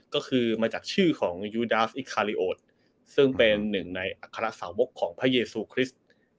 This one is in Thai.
ก็คือมาจากชื่อของซึ่งเป็นหนึ่งในอัครสาวมกของพระเยซูคริสต์